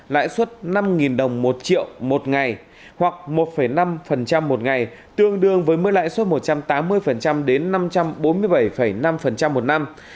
lãi suất năm đồng một triệu một ngày hoặc một năm một ngày tương đương với mức lãi suất một trăm tám mươi đến năm trăm bốn mươi bảy năm một năm